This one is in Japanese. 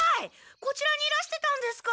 こちらにいらしてたんですか！